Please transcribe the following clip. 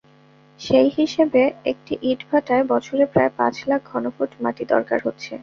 সেই হিসাবে একটি ইটভাটায় বছরে প্রায় পাঁচ লাখ ঘনফুট মাটি দরকার হচ্ছে।